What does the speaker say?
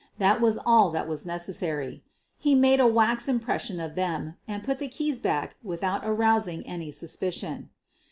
That was all that was necessary. He made a wax impression of them and put the keys back without arousing any suspicion.